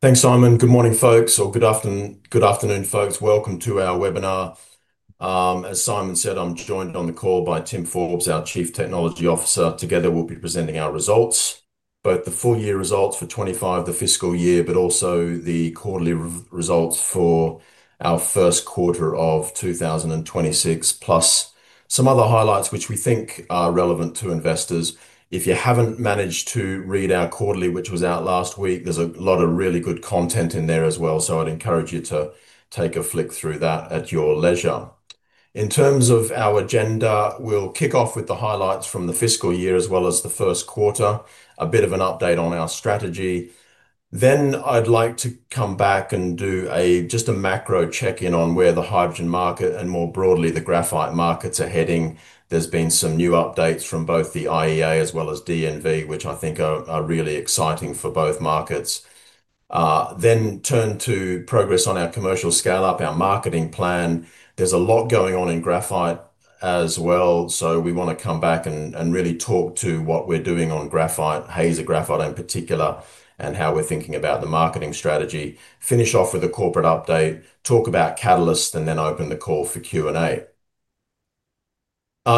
Thanks, Simon. Good morning, folks, or good afternoon, folks. Welcome to our webinar. As Simon said, I'm joined on the call by Tim Forbes, our Chief Technology Officer. Together we'll be presenting our results, both the full year results for 2025, the fiscal year, but also the quarterly results for our first quarter of 2026, plus some other highlights which we think are relevant to investors. If you haven't managed to read our quarterly which was out last week, there's a lot of really good content in there as well. I'd encourage you to take a flick through that at your leisure. In terms of our agenda, we'll kick off with the highlights from the fiscal year as well as the first quarter, a bit of an update on our strategy. I'd like to come back and do just a macro check-in on where the hydrogen market and more broadly the graphite markets are heading. There have been some new updates from both the IEA as well as DNV, which I think are really exciting for both markets. We will then turn to progress on our commercial scale-up and our marketing plan. There's a lot going on in graphite as well, so we want to come back and really talk to what we're doing on graphite, Hazer graphite in particular, and how we're thinking about the marketing strategy. We'll finish off with a corporate update, talk about catalyst, and then open the call for Q&A.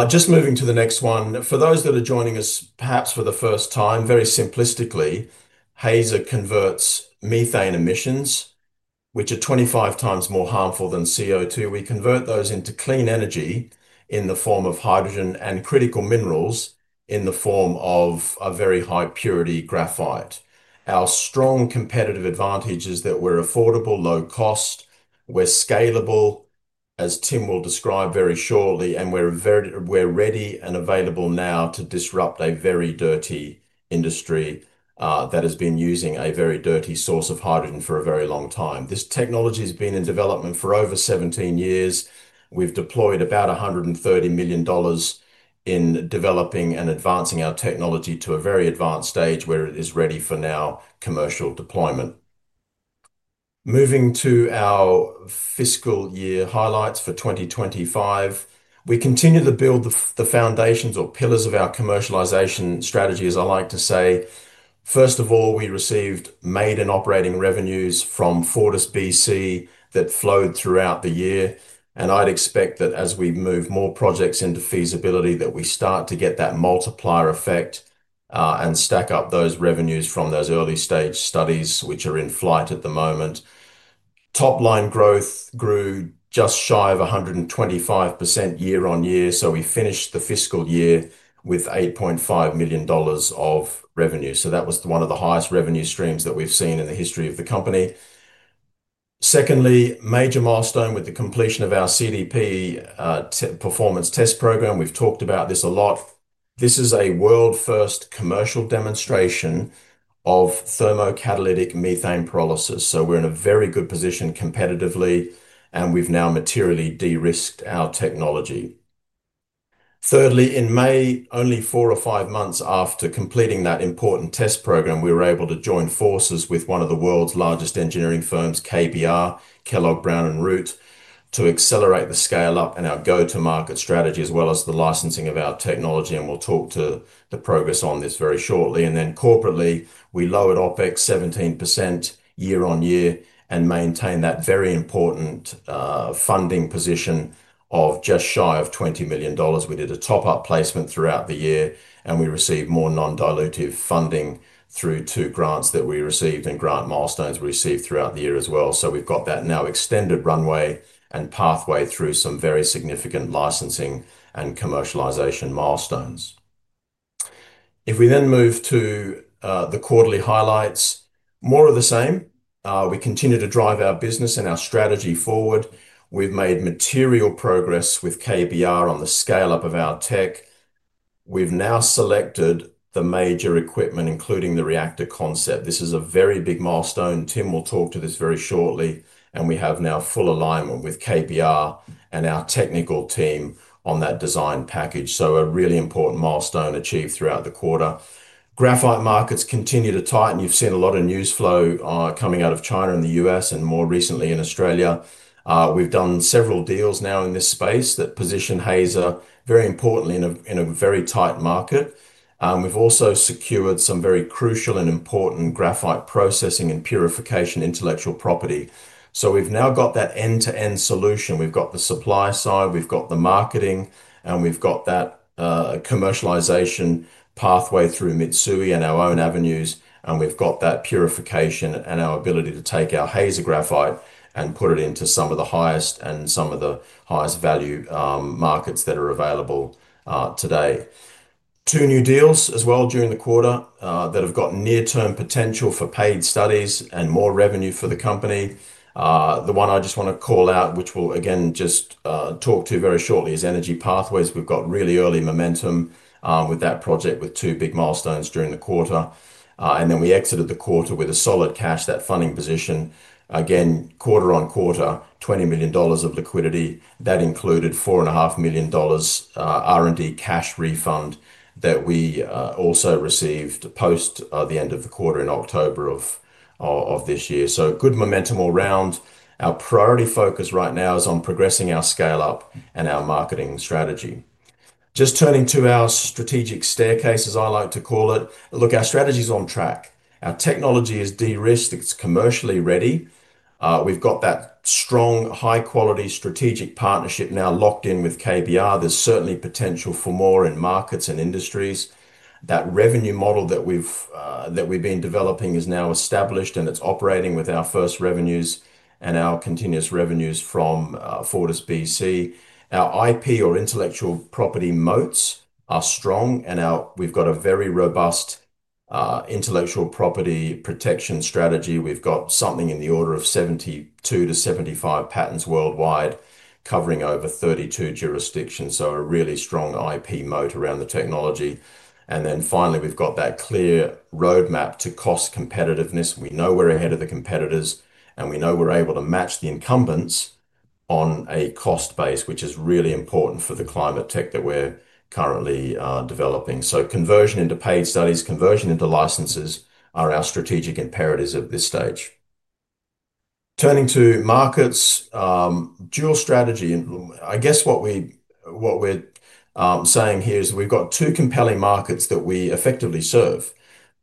Just moving to the next one. For those that are joining us, perhaps for the first time, very simplistically, Hazer converts methane emissions, which are 25x more harmful than CO2. We convert those into clean energy in the form of hydrogen and critical minerals in the form of a very high purity graphite. Our strong competitive advantage is that we're affordable, low cost, we're scalable, as Tim will describe very shortly, and we're ready and available now to disrupt a very dirty industry that has been using a very dirty source of hydrogen for a very long time. This technology has been in development for over 17 years. We've deployed about $130 million in developing and advancing our technology to a very advanced stage where it is ready for now commercial deployment. Moving to our fiscal year highlights for 2025, we continue to build the foundations or pillars of our commercialization strategy, as I like to say. First of all, we received maiden operating revenues from FortisBC. That flowed throughout the year and I'd expect that as we move more projects into feasibility that we start to get that multiplier effect and stack up those revenues from those early stage studies which are in flight at the moment. Top line growth grew just shy of 125% year on year. We finished the fiscal year with $8.5 million of revenue. That was one of the highest revenue streams that we've seen in the history of the company. Secondly, major milestone with the completion of our CDP performance test program. We've talked about this a lot. This is a world first commercial demonstration of thermocatalytic methane pyrolysis. We're in a very good position competitively and we've now materially de-risked our technology. Thirdly, in May, only four or five months after completing that important test program, we were able to join forces with one of the world's largest engineering firms, KBR, Kellogg Brown & Root, to accelerate the scale up and our go-to-market strategy as well as the licensing of our technology. We'll talk to the progress on this very shortly. Corporately, we lowered OpEx 17% year on year and maintained that very important funding position of just shy of $20 million. We did a top up placement throughout the year and we received more non-dilutive funding through two grants that we received and grant milestones we received throughout the year as well. We've got that now extended runway and pathway through some very significant licensing and commercialization milestones. If we then move to the quarterly highlights, more of the same. We continue to drive our business and our strategy forward. We've made material progress with KBR on the scale up of our tech. We've now selected the major equipment including the reactor concept. This is a very big milestone. Tim will talk to this very shortly. We have now full alignment with KBR and our technical team on that design package. A really important milestone achieved throughout the quarter. Graphite markets continue to tighten. You've seen a lot of news flow coming out of China, in the U.S. and more recently in Australia. We've done several deals now in this space that position Hazer, very importantly in a very tight market. We've also secured some very crucial and important graphite processing and purification intellectual property. We've now got that end-to-end solution. We've got the supply side, we've got the marketing, and we've got that commercialization pathway through Mitsui and our own avenues. We've got that purification and our ability to take our Hazer graphite and put it into some of the highest and some of the highest value markets that are available today. Two new deals as well during the quarter that have got near-term potential for paid studies and more revenue for the company. The one I just want to call out, which we'll again just talk to very shortly, is EnergyPathways. We've got really early momentum with that project with two big milestones during the quarter, and then we exited the quarter with a solid cash and funding position again quarter on quarter, $20 million of liquidity that included a $4.5 million R&D cash refund that we also received post the end of the quarter in October of this year. Good momentum all round. Our priority focus right now is on progressing our scale-up and our marketing strategy. Just turning to our strategic staircase, as I like to call it. Look, our strategy's on track. Our technology is de-risked, it's commercially ready. We've got that strong, high-quality strategic partnership now locked in with KBR. There's certainly potential for more in markets and industries. That revenue model that we've been developing is now established, and it's operating with our first revenues and our continuous revenues from FortisBC. Our IP, or intellectual property, moats are strong, and we've got a very robust intellectual property protection strategy. We've got something in the order of 72-75 patents worldwide covering over 32 jurisdictions, so a really strong IP moat around the technology. Finally, we've got that clear roadmap to cost competitiveness. We know we're ahead of the competitors, and we know we're able to match the incumbents on a cost base, which is really important for the climate tech that we're currently developing. Conversion into paid studies, conversion into licenses are our strategic imperatives at this stage. Turning to markets, dual strategy. I guess what we're saying here is we've got two compelling markets that we effectively serve: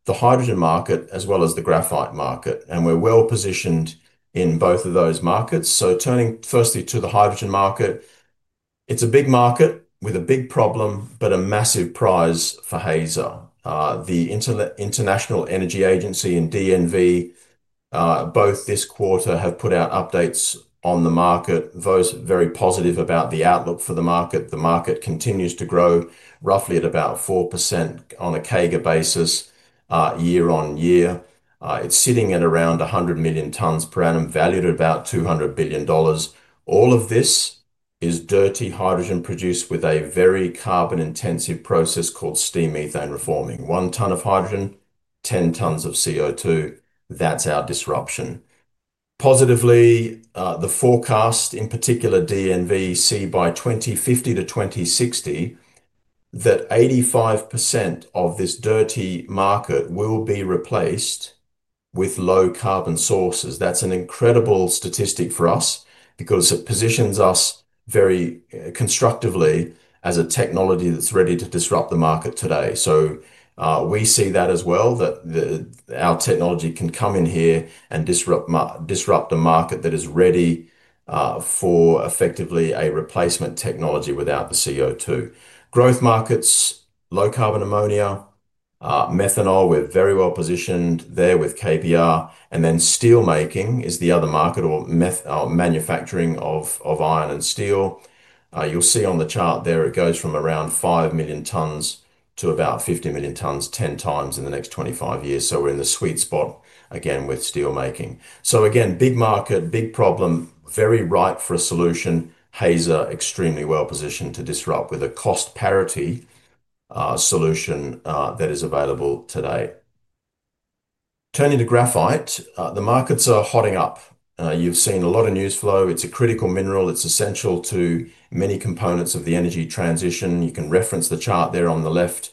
the hydrogen market as well as the graphite market. We're well-positioned in both of those markets. Turning firstly to the hydrogen market, it's a big market with a big problem but a massive prize for Hazer. The International Energy Agency and DNV both this quarter have put out updates on the market, those very positive about the outlook for the market. The market continues to grow roughly at about 4% on a CAGR basis year on year. It's sitting at around 100 million tons per annum valued at about $200 billion. All of this is dirty hydrogen produced with a very carbon-intensive process called steam methane reforming. One ton of hydrogen, 10 tons of CO2. That's our disruption. Positively, the forecast in particular DNV see by 2050-2060 that 85% of this dirty market will be replaced with low-carbon sources. That's an incredible statistic for us because it positions us very constructively as a technology that's ready to disrupt the market today. We see that as well, that our technology can come in here and disrupt a market that is ready for effectively a replacement technology without the CO2. Growth markets, low-carbon, ammonia, methanol, we're very well-positioned there with KBR. Steel making is the other market or manufacturing of iron and steel you'll see on the chart there. It goes from around 5 million tons to about 50 million tons, 10x in the next 25 years. We're in the sweet spot again with steel making. Big market, big problem, very ripe for a solution. Hazer extremely well-positioned to disrupt with a cost parity solution that is available today. Turning to graphite, the markets are hotting up. You've seen a lot of news flow. It's a critical mineral. It's essential to many components of the energy transition. You can reference the chart there on the left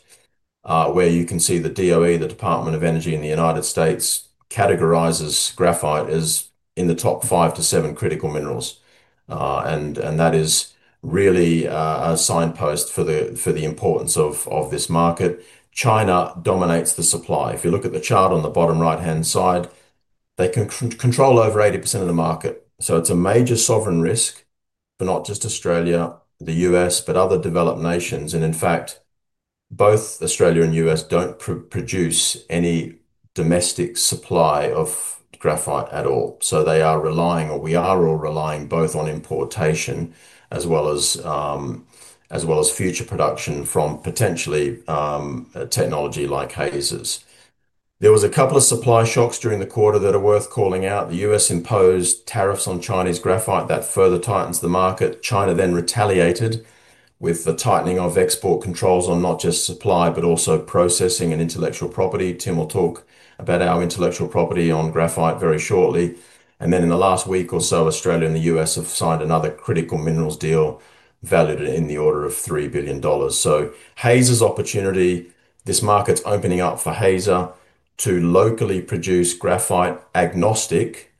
where you can see the DOE. The Department of Energy in the United States categorizes graphite as in the top five to seven critical minerals. That is really a signpost for the importance of this market. China dominates the supply. If you look at the chart on the bottom right-hand side, they control over 80% of the market. It's a major sovereign risk for not just Australia, the U.S., but other developed nations. In fact, both Australia and the U.S. don't produce any domestic supply of graphite at all. They are relying, or we are all relying, both on importation as well as future production from potentially technology like Hazer's. There was a couple of supply shocks during the quarter that are worth calling out. The U.S. imposed tariffs on Chinese graphite. That further tightens the market. China then retaliated with the tightening of export controls on not just supply but also processing and intellectual property. Tim will talk about our intellectual property on graphite very shortly. In the last week or so, Australia and the U.S. have signed another critical minerals deal valued in the order of $3 billion. Hazer's opportunity, this market's opening up for Hazer to locally produce graphite, agnostic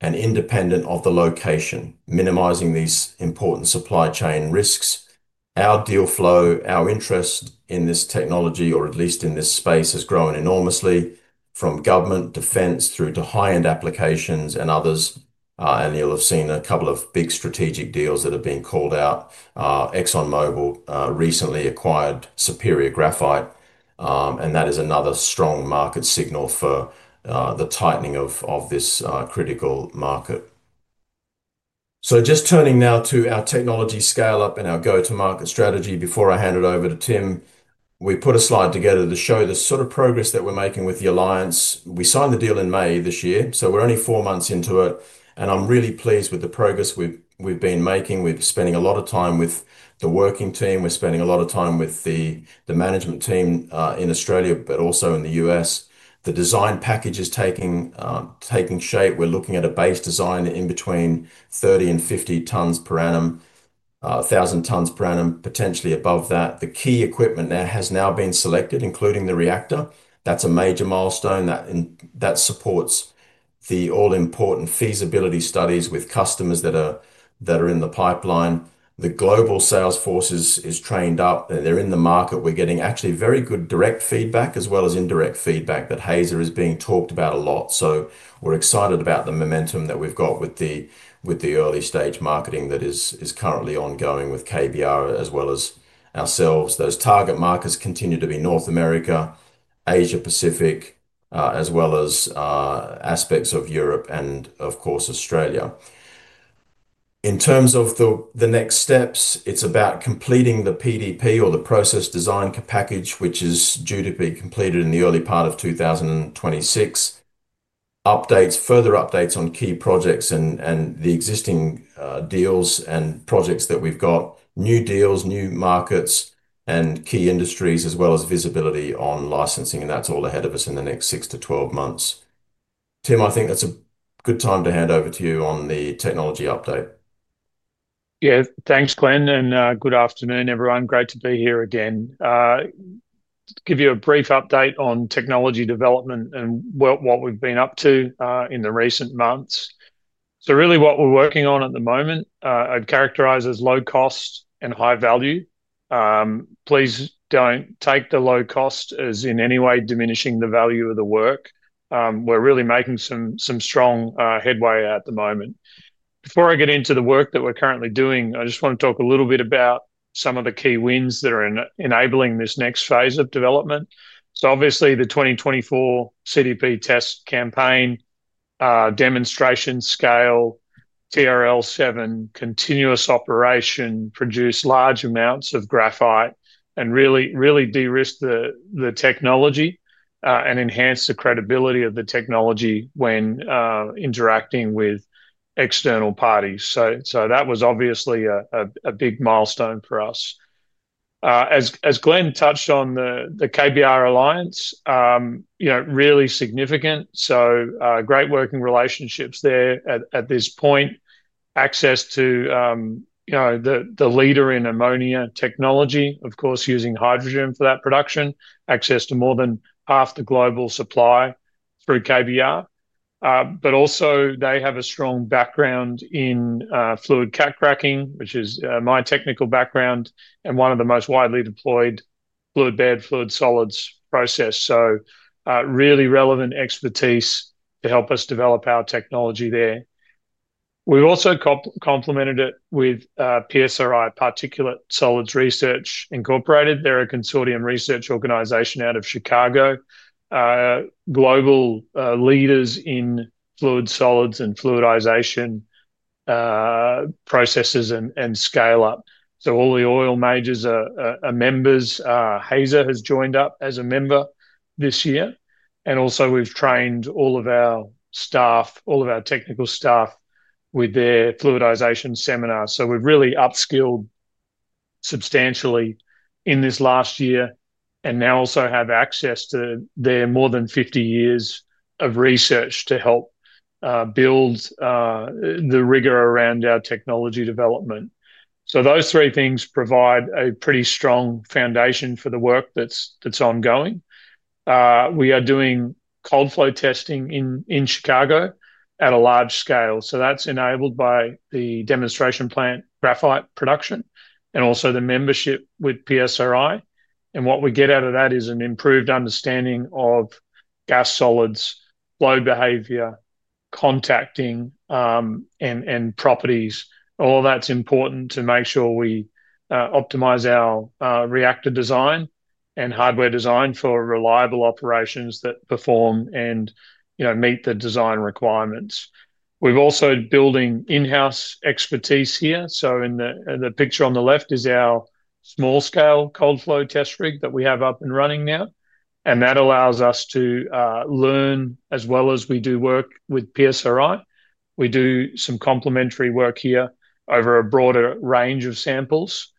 and independent of the location, minimizing these important supply chain risks. Our deal flow, our interest in this technology or at least in this space has grown enormously from government defense through to high end applications and others. You'll have seen a couple of big strategic deals that have been called out. ExxonMobil recently acquired Superior Graphite and that is another strong market signal for the tightening of this critical market. Turning now to our technology scale up and our go-to-market strategy before I hand it over to Tim, we put a slide together to show the sort of progress that we're making with the alliance. We signed the deal in May this year so we're only four months into it and I'm really pleased with the progress we've been making. We're spending a lot of time with the working team, we're spending a lot of time with the management team in Australia but also in the U.S. The design package is taking shape. We're looking at a base design in between 30 and 50 tons per annum, 1,000 tons per annum potentially above that. The key equipment there has now been selected, including the reactor. That's a major milestone that supports the all important feasibility studies with customers that are in the pipeline. The global sales force is trained up, they're in the market. We're getting actually very good direct feedback as well as indirect feedback that Hazer is being talked about a lot. We're excited about the momentum that we've got with the early stage marketing that is currently ongoing with KBR as well as ourselves. Those target markets continue to be North America, Asia-Pacific as well as aspects of Europe and of course Australia. In terms of the next steps, it's about completing the PDP or the process design package which is due to be completed in the early part of 2026. Updates, further updates on key projects and the existing deals and projects that we've got, new deals, new markets and key industries as well as visibility on licensing, and that's all ahead of us in the next six to 12 months. Tim, I think that's a good time to hand over to you on the technology update. Yeah, thanks Glenn. Good afternoon everyone. Great to be here again to give you a brief update on technology development and what we've been up to in the recent months. What we're working on at the moment I'd characterize as low cost and high value. Please don't take the low cost as in any way diminishing the value of the work. We're really making some strong headway at the moment. Before I get into the work that we're currently doing, I just want to talk a little bit about some of the key wins that are enabling this next phase of development. Obviously, the 2024 CDP Test Campaign Demonstration Scale TRL7 continuous operation produced large amounts of graphite and really de-risked the technology and enhanced the credibility of the technology when interacting with external parties. That was a big milestone for us as Glenn touched on the KBR alliance. Really significant. Great working relationships there at this point. Access to the leader in ammonia technology, of course using hydrogen for that production. Access to more than half the global supply through KBR. They also have a strong background in fluid cat cracking, which is my technical background and one of the most widely deployed fluid bed fluid solids processes. Really relevant expertise to help us develop our technology there. We've also complemented it with PSRI, Particulate Solid Research Incorporated. They're a consortium research organization out of Chicago. Global leaders in fluid solids and fluidization processes and scale up. All the oil majors are members. Hazer has joined up as a member this year and we've trained all of our technical staff with their fluidization seminars. We've really upskilled substantially in this last year and now also have access to their more than 50 years of research to help build the rigor around our technology development. Those three things provide a pretty strong foundation for the work that's ongoing. We are doing cold flow testing in Chicago at a large-scale. That's enabled by the Demonstration Plant graphite production and also the membership with PSRI. What we get out of that is an improved understanding of gas solids load behavior, contacting and properties. All that's important to make sure we optimize our reactor design and hardware design for reliable operations that perform and meet the design requirements. We've also been building in-house expertise here. In the picture on the left is our small-scale cold flow test rig that we have up and running now, and that allows us to learn. As well as we do work with PSRI, we do some complementary work here over a broader range of samples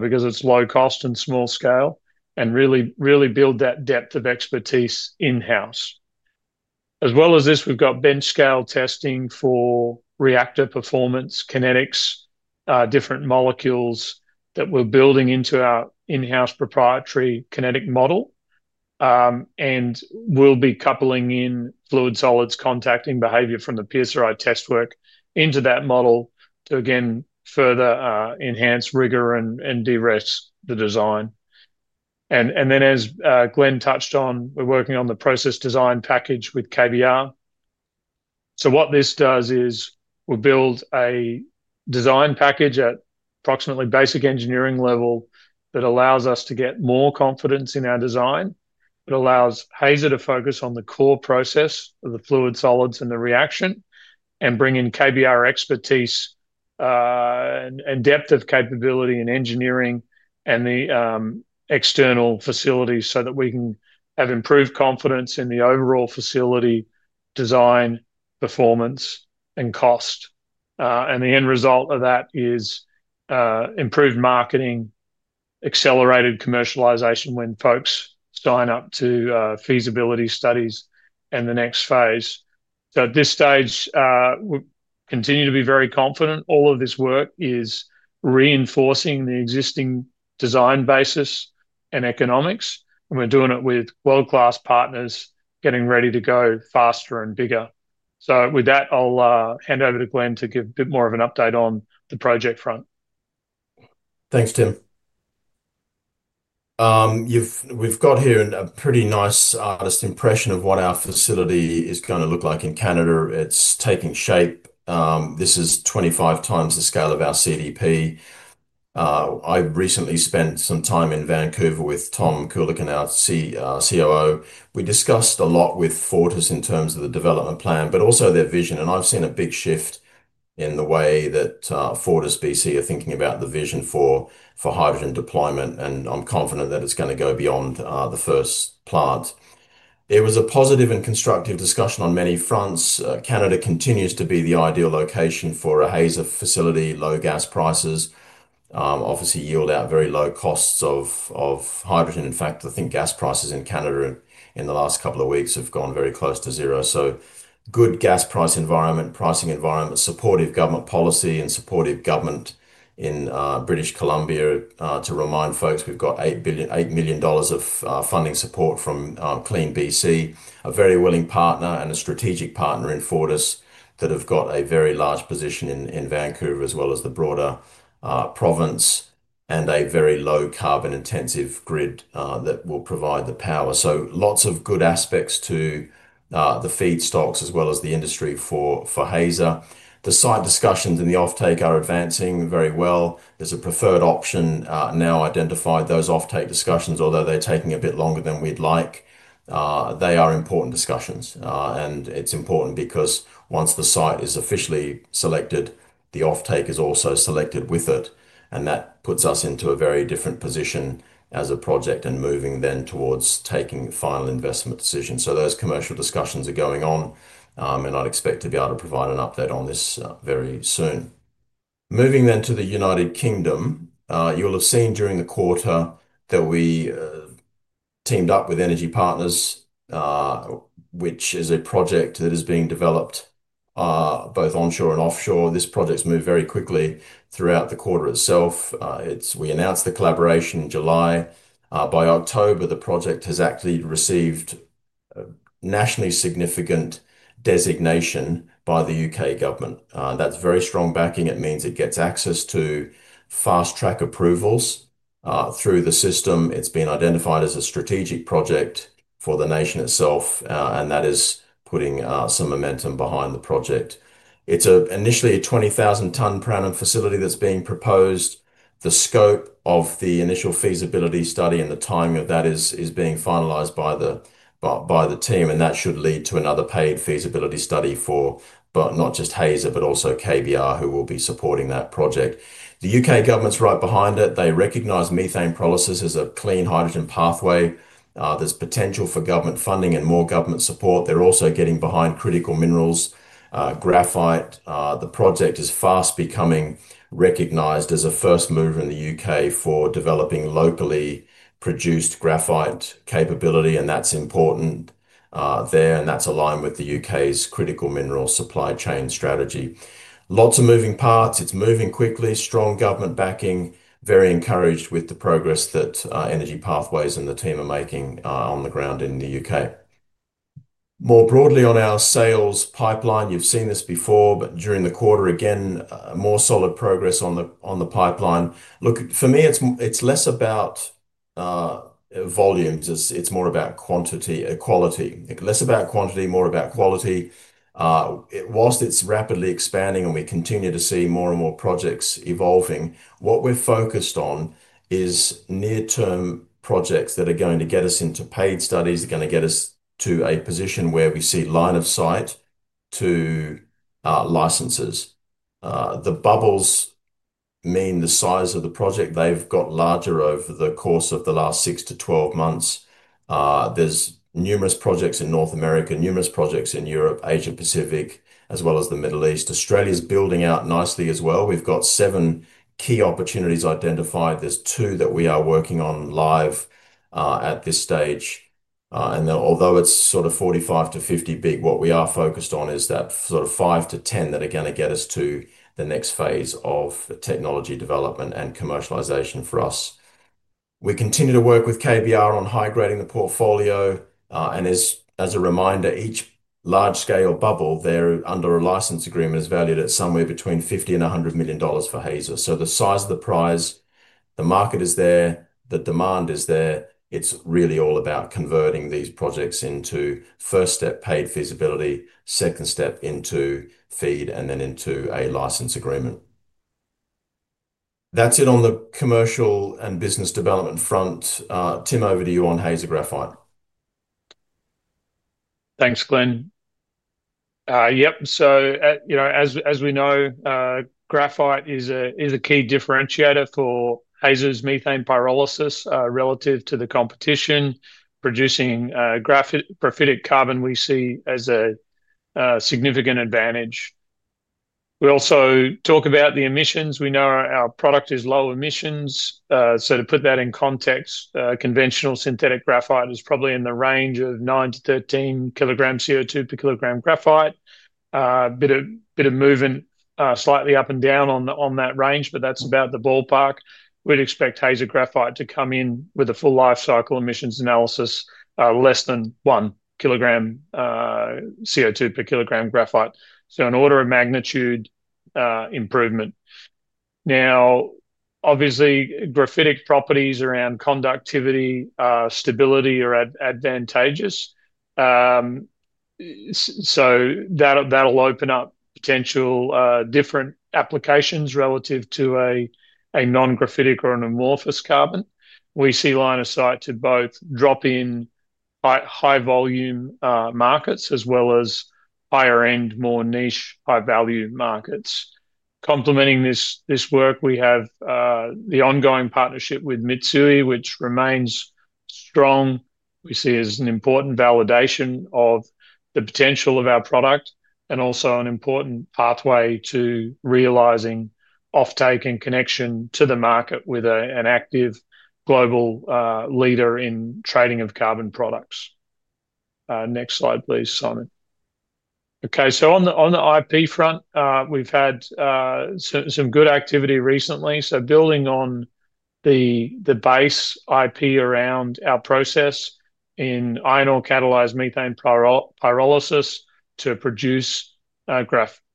because it's low cost and small scale and really, really build that depth of expertise in-house. As well as this, we've got bench scale testing for reactor performance, kinetics, different molecules that we're building into our in-house proprietary kinetic model. We'll be coupling in fluid solids contacting behavior from the PSRI test work into that model to again further enhance rigor and de-risk the design. As Glenn touched on, we're working on the process design package with KBR. What this does is we build a design package at approximately basic engineering level that allows us to get more confidence in our design. It allows Hazer to focus on the core process of the fluid solids and the reaction and bring in KBR expertise and depth of capability and engineering and the external facilities so that we can have improved confidence in the overall facility design, performance, and cost. The end result of that is improved marketing, accelerated commercialization when folks sign up to feasibility studies and the next phase. At this stage we continue to be very confident. All of this work is reinforcing the existing design basis and economics, and we're doing it with world class partners getting ready to go faster and bigger. With that, I'll hand over to Glenn to give a bit more of an update on the project front. Thanks Tim. We've got here a pretty nice artist impression of what our facility is going to look like in Canada. It's taking shape. This is 25x the scale of our CDP. I recently spent some time in Vancouver with Tom Coolican, our COO. We discussed a lot with Fortis in terms of the development plan but also their vision and I've seen a big shift in the way that FortisBC are thinking about the vision for hydrogen deployment and I'm confident that it's going to go beyond the first plant. There was a positive and constructive discussion on many fronts. Canada continues to be the ideal location for a Hazer fleet facility. Low gas prices obviously yield out very low costs of hydrogen. In fact, I think gas prices in Canada in the last couple of weeks have gone very close to zero. Good gas price environment, pricing environment, supportive government policy and supportive government in British Columbia. To remind folks, we've got $8 million of funding support from CleanBC, a very willing partner and a strategic partner in Fortis that have got a very large position in Vancouver as well as the broader province and a very low carbon intensive grid that will provide the power. Lots of good aspects to the feedstocks as well as the industry. For Hazer, the site discussions in the offtake are advancing very well. There's a preferred option now identified. Those offtake discussions, although they're taking a bit longer than we'd like to, are important discussions and it's important because once the site is officially selected, the offtake is also selected with it and that puts us into a very different position as a project and moving then towards taking final investment decisions. Those commercial discussions are going on and I'd expect to be able to provide an update on this very soon. Moving to the United Kingdom. You'll have seen during the quarter that we teamed up with EnergyPathways, which is a project that is being developed both onshore and offshore. This project's moved very quickly throughout the quarter itself. We announced the collaboration in July. By October, the project has actually received nationally significant designation by the U.K. government. That's very strong backing. It means it gets access to fast track approvals through the system. It's been identified as a strategic project for the nation itself and that is putting some momentum behind the project. It's initially a 20,000 ton per annum facility that's being proposed. The scope of the initial feasibility study and the timing of that is being finalized by the team, and that should lead to another paid feasibility study for not just Hazer, but also KBR who will be supporting that project. The U.K. government's right behind it. They recognize methane policies as a clean hydrogen pathway. There's potential for government funding and more government support. They're also getting behind critical minerals, graphite. The project is fast becoming recognized as a first mover in the U.K. for developing locally produced graphite capability, and that's important there. That's aligned with the U.K.'s critical mineral supply chain strategy. Lots of moving parts, it's moving quickly. Strong government backing, very encouraged. With the progress that EnergyPathways and the team are making on the ground in the U.K., more broadly on our sales pipeline, you've seen this before, but during the quarter again more solid progress on the pipeline. Look, for me it's less about volumes, it's more about quality, less about quantity, more about quality. Whilst it's rapidly expanding and we continue to see more and more projects evolving, what we're focused on is near-term projects that are going to get us into paid studies, are going to get us to a position where we see line of sight to licenses. The bubbles mean the size of the project. They've got larger over the course of the last six to 12 months. There's numerous projects in North America, numerous projects in Europe, Asia-Pacific as well as the Middle East. Australia is building out nicely as well. We've got seven key opportunities identified. There's two that we are working on live at this stage, and although it's sort of 45-50 big, what we are focused on is that sort of five to 10 that are going to get us to the next phase of technology development and commercialization for us. We continue to work with KBR on high grading the portfolio, and as a reminder, each large-scale bubble there under a license agreement is valued at somewhere between $50 million and $100 million for Hazer. The size of the prize, the market is there, the demand is there. It's really all about converting these projects into first step paid feasibility, second step into feed, and then into a license agreement. That's it on the commercial and business development front. Tim, over to you on Hazer graphite. Thanks Glenn. Yep. As we know, graphite is a key differentiator for Hazer's methane pyrolysis relative to the competition. Producing graphite profit carbon we see as a significant advantage. We also talk about the emissions. We know our product is low emissions. To put that in context, conventional synthetic graphite is probably in the range of 9 kg-13 kg CO2 per kg graphite. Bit of moving slightly up and down on that range, but that's about the ballpark. We'd expect Hazer graphite to come in with a full lifecycle emissions analysis less than 1 kg CO2 per kg graphite. An order of magnitude improvement. Obviously, graphitic properties around conductivity, stability are advantageous so that that'll open up potential different applications relative to a non-graphitic or an amorphous carbon. We see line of sight to both drop-in high volume markets as well as higher end, more niche, high value markets. Complementing this work, we have the ongoing partnership with Mitsui, which remains strong. We see as an important validation of the potential of our product and also an important pathway to realizing offtake and connection to the market with an active global leader in trading of carbon products. Next slide please, Simon. On the IP front, we've had some good activity recently. Building on the base IP around our process in iron ore catalyzed methane pyrolysis to produce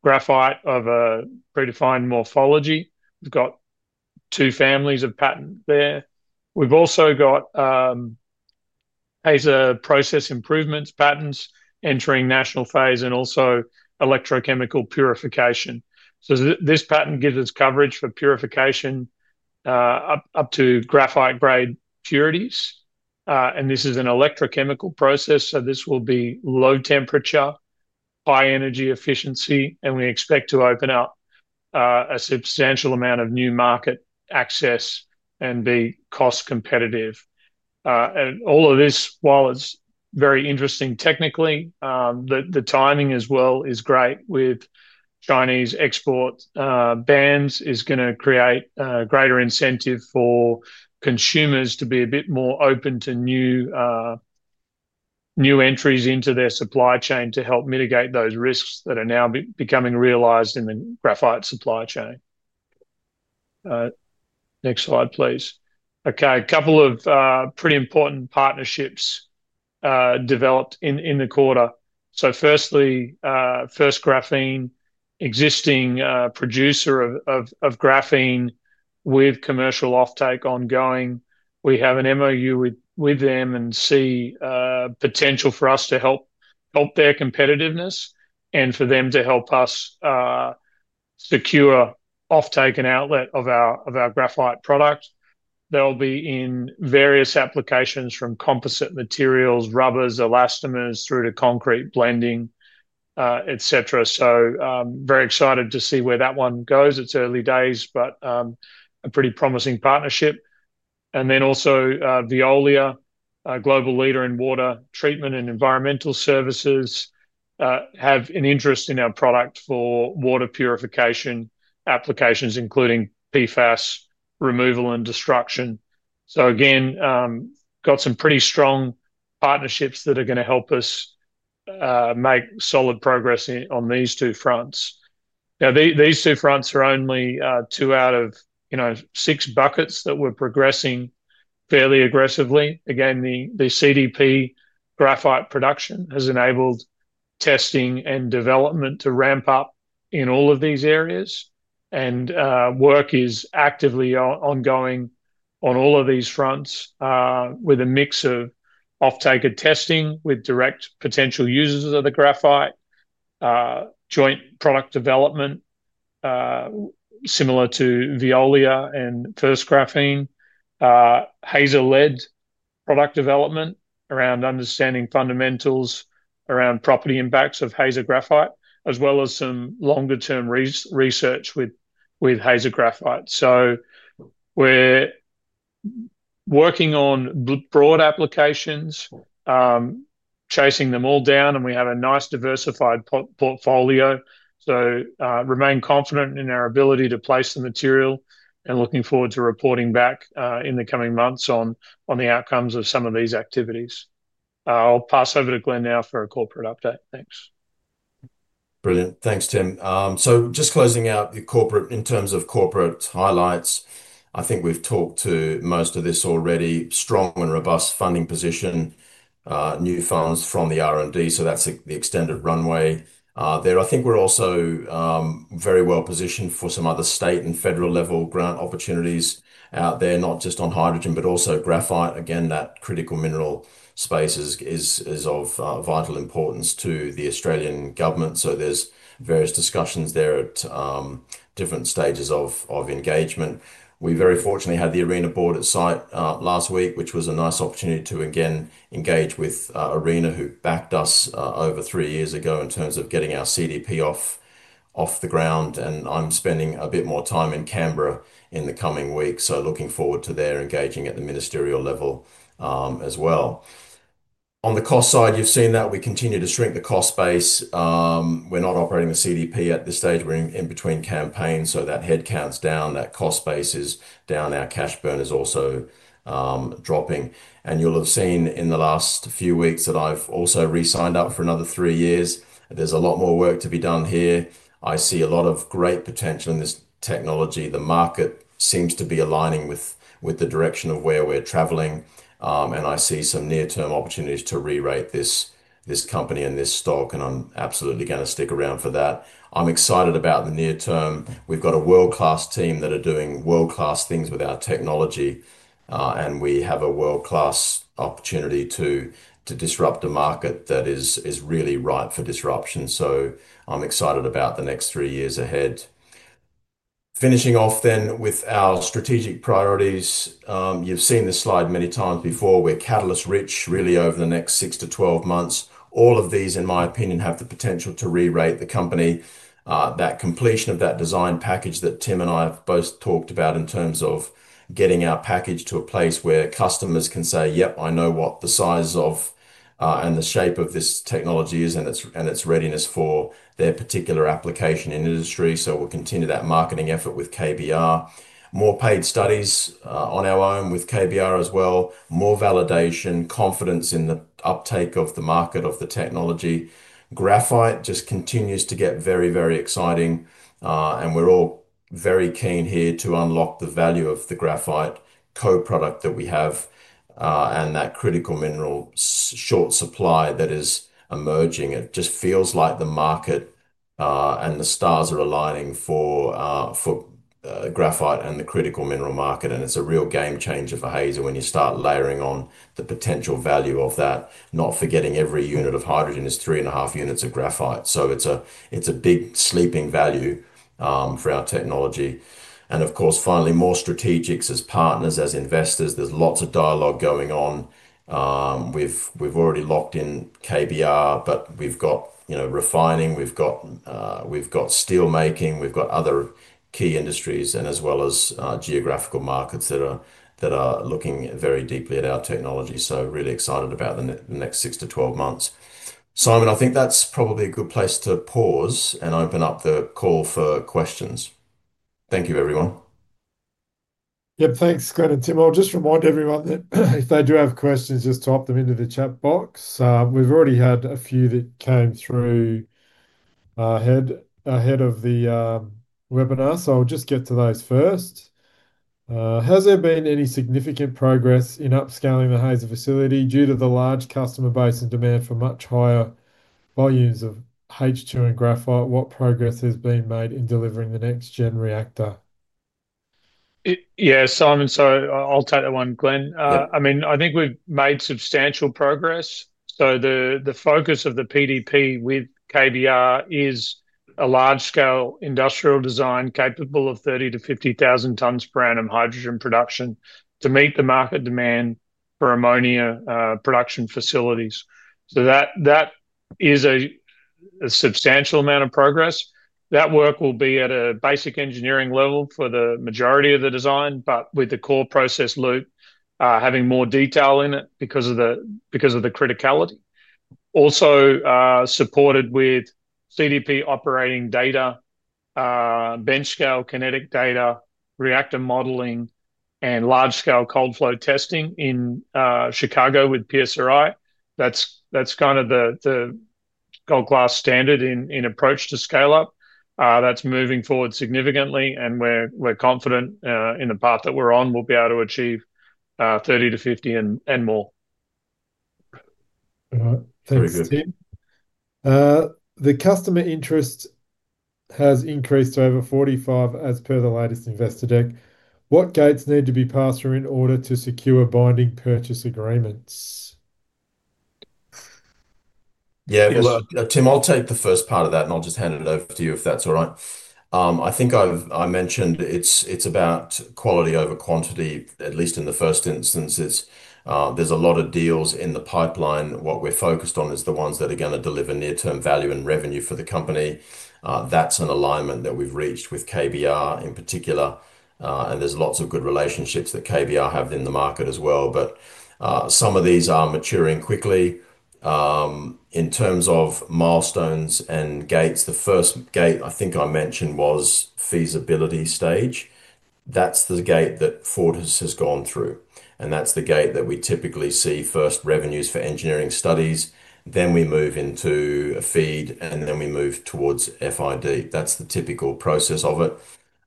graphite of a predefined morphology, we've got two families of patent there. We've also got HAZER Process improvements patents entering national phase and also electrochemical purification. This patent gives us coverage for purification up to graphite grade purities. This is an electrochemical process. This will be low temperature, high energy efficiency and we expect to open up a substantial amount of new market access and be cost competitive. All of this, while it's very interesting technically, the timing as well is great. With Chinese export bans, it's going to create greater incentive for consumers to be a bit more open to new entries into their supply chain to help mitigate those risks that are now becoming realized in the graphite supply chain. Next slide please. A couple of pretty important partnerships developed in the quarter. Firstly, First Graphene, existing producer of graphene with commercial offtake ongoing. We have an MoU with them and see potential for us to help their competitiveness and for them to help us secure offtake and outlet of our graphite product. They'll be in various applications from composite materials, rubbers, elastomers through to concrete blending, etc. Very excited to see where that one goes. It's early days but a pretty promising partnership. Also, Veolia, global leader in water treatment and environmental services, have an interest in our product for water purification applications, including PFAS removal and destruction. Again, got some pretty strong partnerships that are going to help us make solid progress on these two fronts. Now these two fronts are only two out of six buckets that we're progressing fairly aggressively. The CDP graphite production has enabled testing and development to ramp up in all of these areas and work is actively ongoing on all of these fronts with a mix of offtaker testing with direct potential users of the graphite. Joint product development similar to Veolia and First Graphene, Hazer-led product development around understanding fundamentals around property impacts of Hazer graphite as well as some longer term research with Hazer graphite. We're working on broad applications, chasing them all down and we have a nice diversified portfolio. Remain confident in our ability to place the material and looking forward to reporting back in the coming months on the outcomes of some of these activities. I'll pass over to Glenn now for a corporate update. Thanks. Brilliant. Thanks Tim. Just closing out in terms of corporate highlights, I think we've talked to most of this already. Strong and robust funding position, new funds from the R&D. That's the extended runway there. I think we're also very well-positioned for some other state and federal level grant opportunities out there, not just on hydrogen, but also graphite. That critical mineral space is of vital importance to the Australian government. There are various discussions there at different stages of engagement. We very fortunately had the ARENA board at site last week, which was a nice opportunity to engage with ARENA, who backed us over three years ago in terms of getting our CDP off the ground. I'm spending a bit more time in Canberra in the coming weeks, looking forward to engaging at the ministerial level as well. On the cost side, you've seen that we continue to shrink the cost base. We're not operating the CDP at this stage. We're in between campaigns, so that headcount's down, that cost base is down. Our cash burn is also dropping and you'll have seen in the last few weeks that I've also re-signed up for another three years. There's a lot more work to be done here. I see a lot of great potential in this technology. The market seems to be aligning with the direction of where we're traveling and I see some near-term opportunities to re-rate this company and this stock and I'm absolutely going to stick around for that. I'm excited about the near-term. We've got a world-class team that are doing world-class things with our technology and we have a world-class opportunity to disrupt a market that is really ripe for disruption. I'm excited about the next three years ahead. Finishing off then with our strategic priorities. You've seen this slide many times before. We're catalyst rich really over the next six to 12 months. All of these in my opinion have the potential to re-rate the company. That completion of that design package that Tim and I have both talked about in terms of getting our package to a place where customers can say, yep, I know what the size and the shape of this technology is and its readiness for their particular application in industry. We'll continue that marketing effort with KBR. More paid studies on our own with KBR as well. More validation, confidence in the uptake of the market of the technology. Graphite just continues to get very, very exciting and we're all very keen here to unlock the value of the graphite co-product that we have and that critical mineral short supply that is emerging. It just feels like the market and the stars are aligning for graphite and the critical mineral market and it's a real game changer for Hazer when you start layering on the potential value of that. Not forgetting every unit of hydrogen is 3.5 units of graphite. It's a big sleeping value for our technology. Of course, finally more strategics as partners, as investors. There's lots of dialogue going on. We've already locked in KBR but we've got refining, we've got steel making, we've got other key industries as well as geographical markets that are looking very deeply at our technology. Really excited about the next six to 12 months. Simon, I think that's probably a good place to pause and open up the call for questions. Thank you everyone. Yep, thanks Glenn and Tim. I'll just remind everyone that if they do have questions, just type them into the chat box. We've already had a few that came through ahead of the webinar. I'll just get to those first. Has there been any significant progress in upscaling the Hazer facility due to the large customer base and demand for much higher volumes of H2 and graphite? What progress has been made in delivering the next-gen reactor? Yeah, Simon. I'll take that one, Glenn. I think we've made substantial progress. The focus of the PDP with KBR is a large-scale industrial design capable of 30,000-50,000 tonnes per annum hydrogen production to meet the market demand for ammonia production facilities. That is a substantial amount of progress. That work will be at a basic engineering level for the majority of the design, but with the core process loop having more detail in it because of the criticality. Also supported with CDP operating data, bench scale kinetic data, reactor modeling, and large-scale cold flow testing in Chicago with PSRI. That's kind of the gold class standard in approach to scale-up. That's moving forward significantly, and we're confident in the path that we're on. We'll be able to achieve 30,000-50,000 and more. The customer interest has increased over 45% as per the latest investor deck. What gates need to be passed through in order to secure binding purchase agreements? Yeah, Tim, I'll take the first part of that and I'll just hand it over to you, if that's all right. I think I mentioned it's about quality over quantity at least in the first instance. There's a lot of deals in the pipeline. What we're focused on is the ones that are going to deliver near-term value and revenue for the company. That's an alignment that we've reached with KBR in particular, and there's lots of good relationships that KBR have in the market as well. Some of these are maturing quickly in terms of milestones and gates. The first gate I think I mentioned was feasibility stage. That's the gate that Fortis has gone through, and that's the gate that we typically see first revenues for engineering studies, then we move into a FEED and then we move towards FID. That's the typical process of it.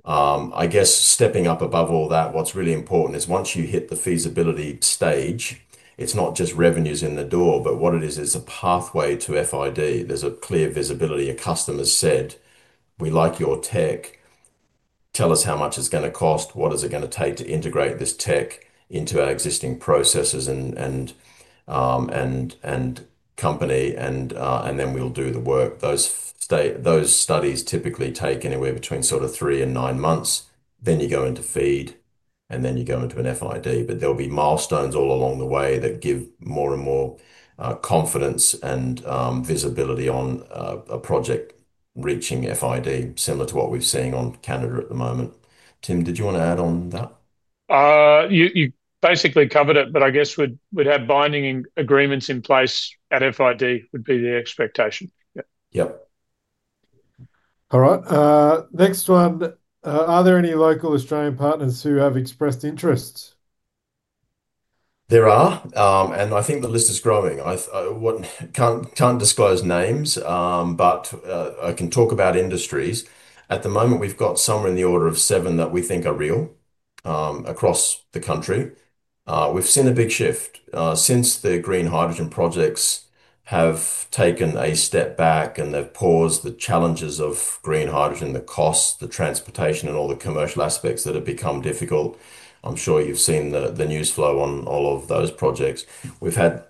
I guess stepping up above all that, what's really important is once you hit the feasibility stage, it's not just revenues in the door. What it is is a pathway to FID. There's a clear visibility. A customer said we like your tech. Tell us how much it's going to cost. What is it going to take to integrate this tech into our existing processes and company, and then we'll do the work. Those studies typically take anywhere between sort of three and nine months. You go into FEED and then you go into an FID. There'll be milestones all along the way that gives more and more confidence and visibility on a project reaching FID, similar to what we've seen on Canada at the moment. Tim, did you want to add on that? You basically covered it, but I guess we'd have binding agreements in place at FID would be the expectation. Yep. All right, next one. Are there any local Australian partners who have expressed interest? There are and I think the list is growing. Can't disclose names but I can talk about industries. At the moment we've got somewhere in the order of seven that we think are real across the country. We've seen a big shift since the green hydrogen projects have taken a step back and they've paused. The challenges of green hydrogen, the cost, the transportation, and all the commercial aspects that have become difficult. I'm sure you've seen the news flow on all of those projects. We've had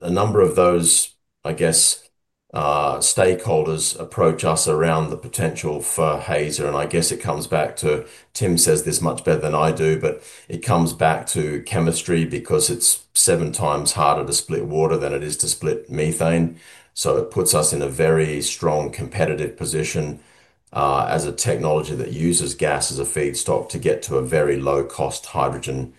a number of those. I guess stakeholders approach us around the potential for Hazer and I guess it comes back to, Tim says this much better than I do, but it comes back to chemistry because it's 7x harder to split water than it is to split methane. It puts us in a very strong competitive position as a technology that uses gas as a feedstock to get to a very low cost hydrogen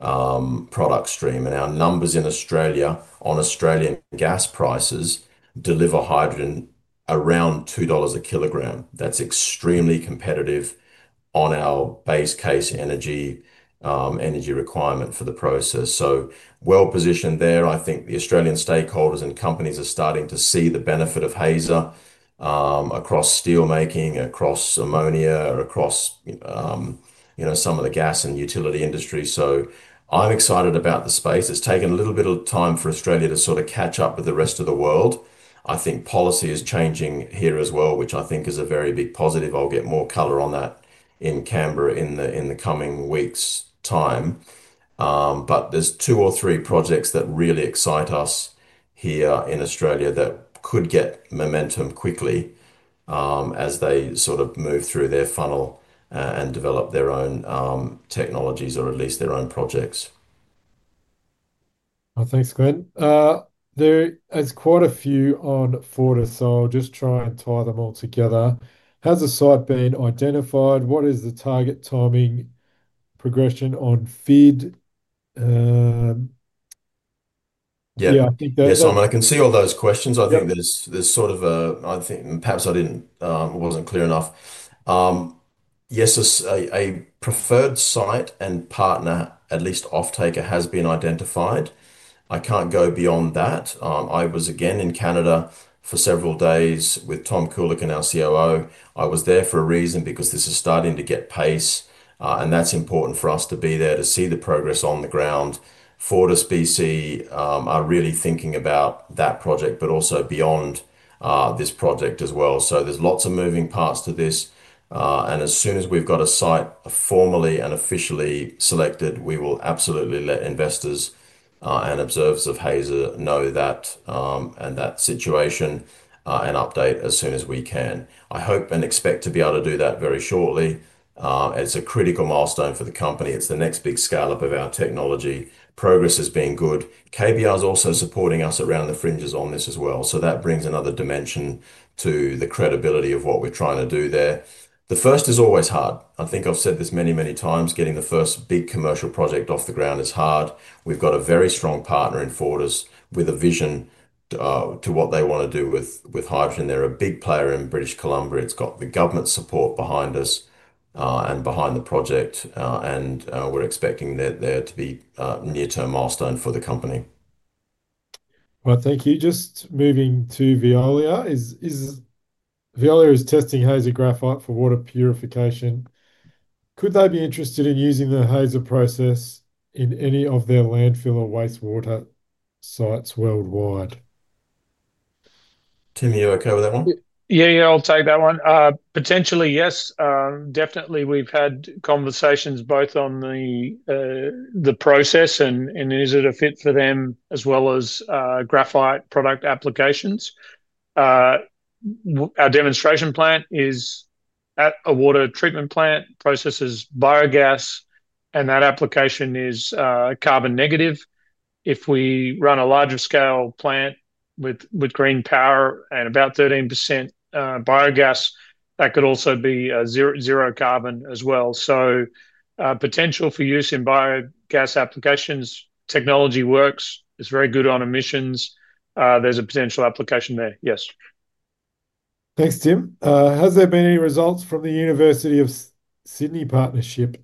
product stream. Our numbers in Australia on Australian gas prices deliver hydrogen around $2 a kilogram. That's extremely competitive on our base case energy requirement for the process, so well-positioned there. I think the Australian stakeholders and companies are starting to see the benefit of Hazer across steel making, across ammonia, across some of the gas and utility industry. I'm excited about the space. It's taken a little bit of time for Australia to sort of catch up with the rest of the world. I think policy is changing here as well, which I think is a very big positive. I'll get more color on that in Canberra in the coming weeks' time. There's two or three projects that really excite us here in Australia that could get momentum quickly as they sort of move through their funnel and develop their own technologies or at least their own projects. Thanks, Glenn. There is quite a few on Fortis. Just try and tie them all together. Has a site been identified? What is the target timing progression on FEED? Yeah, I can see all those questions. I think perhaps I wasn't clear enough. Yes, a preferred site and partner, at least offtaker, has been identified. I can't go beyond that. I was again in Canada for several days with Tom Coolican our COO. I was there for a reason because this is starting to get pace and that's important for us to be there to see the progress on the ground. FortisBC are really thinking about that project but also beyond this project as well. There's lots of moving parts to this and as soon as we've got a site formally and officially selected, we will absolutely let investors and observers of Hazer know that situation and update as soon as we can. I hope and expect to be able to do that very shortly. It's a critical milestone for the company. It's the next big scale up of our technology. Progress has been good. KBR is also supporting us around the fringes on this as well. That brings another dimension to the credibility of what we're trying to do there. The first is always hard. I think I've said this many, many times. Getting the first big commercial project off the ground is hard. We've got a very strong partner in Fortis with a vision to what they want to do with hydrogen. They're a big player in British Columbia. It's got the government support behind us and behind the project and we're expecting that there to be near-term milestone for the company. Thank you. Just moving to Veolia, is Veolia testing Hazer graphite for water purification? Could they be interested in using the HAZER Process in any of their landfill or wastewater sites worldwide? Tim, are you okay with that one? Yeah, I'll take that one. Potentially yes, definitely. We've had conversations both on the process and is it a fit for them as well as graphite product applications. Our Demonstration Plant is at a water treatment plant, processes biogas, and that application is carbon negative. If we run a larger-scale plant with green power and about 13% biogas, that could also be zero carbon as well. There is potential for use in biogas applications. Technology works. It's very good on emissions. There's a potential application there. Yes. Thanks, Tim. Has there been any results from the University of Sydney partnership?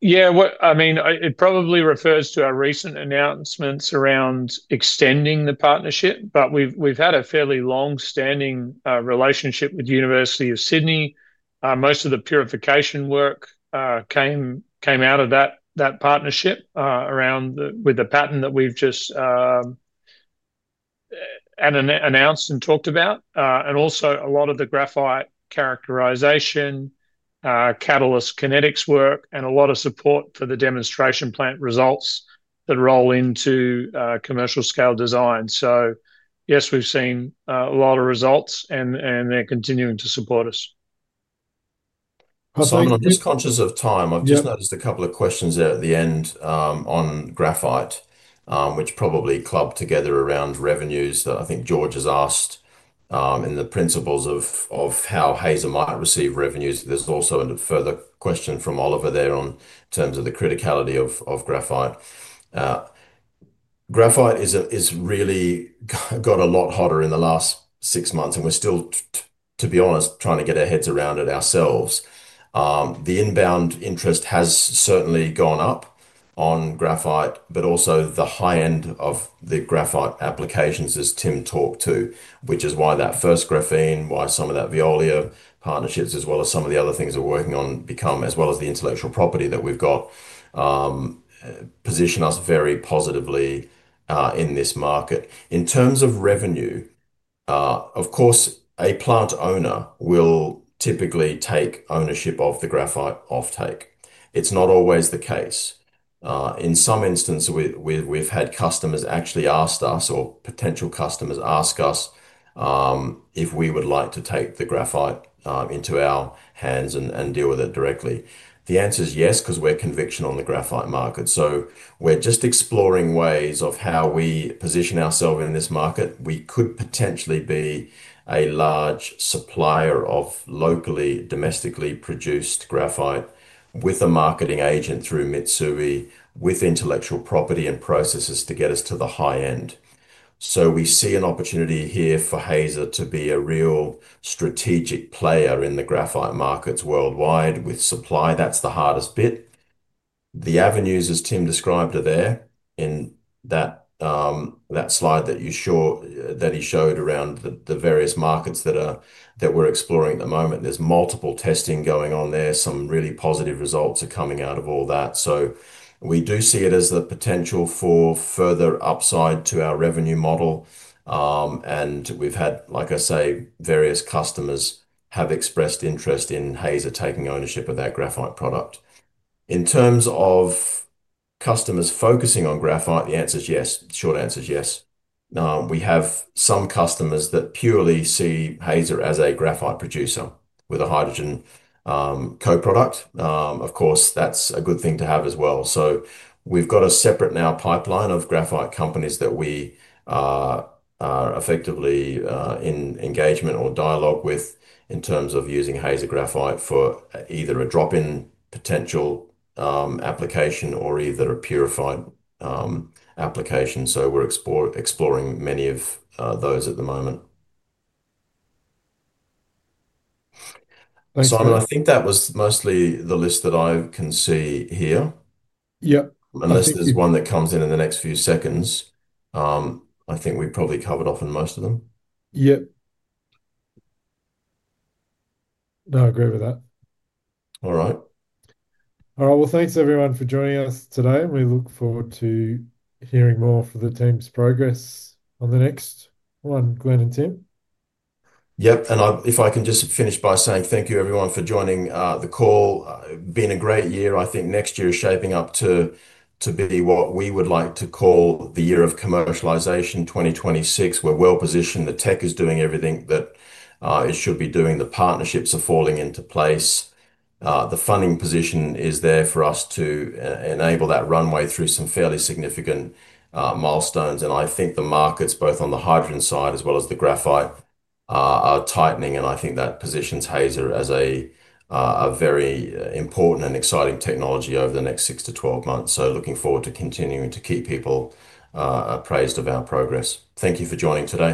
Yeah, I mean it probably refers to our recent announcements around extending the partnership, but we've had a fairly long standing relationship with University of Sydney. Most of the purification work came out of that partnership around with the patent that we've just announced and talked about. Also, a lot of the graphite characterization catalyst kinetics work and a lot of support for the Demonstration Plant results that roll into commercial scale design. Yes, we've seen a lot of results and they're continuing to support us. I'm just conscious of time. I've just noticed a couple of questions there at the end on graphite which probably club together around revenues that I think George has asked and the principles of how Hazer might receive revenues. There's also a further question from Oliver there on terms of the criticality of graphite. Graphite has really got a lot hotter in the last six months and we're still, to be honest, trying to get our heads around it ourselves. The inbound interest has certainly gone up on graphite, but also the high end of the graphite applications as Tim talked to, which is why that First Graphene, why some of that Veolia partnerships as well as some of the other things we're working on become as well as the intellectual property that we've got position us very positively in this market. In terms of revenue, of course, a plant owner will typically take ownership of the graphite offtake. It's not always the case. In some instances, we've had customers actually ask us or potential customers ask us if we would like to take the graphite into our hands and deal with it directly. The answer is yes, because we're conviction on the graphite market. We're just exploring ways of how we position ourselves in this market. We could potentially be a large supplier of locally, domestically produced graphite with a marketing agent through Mitsui with intellectual property and processes to get us to the high end. We see an opportunity here for Hazer to be a real strategic player in the graphite markets worldwide. With supply, that's the hardest bit. The avenues as Tim described are there in that slide that he showed around the various markets that we're exploring at the moment. There's multiple testing going on there. Some really positive results are coming out of all that. We do see it as the potential for further upside to our revenue model. We've had, like I say, various customers have expressed interest in Hazer taking ownership of that graphite product. In terms of customers focusing on graphite, the answer is yes. Short answer is yes. We have some customers that purely see Hazer as a graphite producer with a hydrogen co-product. Of course, that's a good thing to have as well. We've got a separate now pipeline of graphite companies that we are effectively in engagement or dialogue with in terms of using Hazer graphite for either a drop-in potential application or either a purified application. We're exploring many of those at the moment. Simon, I think that was mostly the list that I can see here. Yep. Unless there's one that comes in in the next few seconds, I think we probably covered off in most of them. Yep, I agree with that. All right. All right, thanks everyone for joining us today. We look forward to hearing more of the team's progress on the next one. Glenn and Tim. Yep. If I can just finish by saying thank you everyone for joining the call. Been a great year. I think next year is shaping up to be what we would like to call the year of commercialization 2026. We're well-positioned. The tech is doing everything that it should be doing. The partnerships are falling into place. The funding position is there for us to enable that runway through some fairly significant milestones. I think the markets, both on the hydrogen side as well as the graphite, are tightening. I think that positions Hazer as a very important and exciting technology over the next six to 12 months. Looking forward to continuing to keep people appraised of our progress. Thank you for joining today.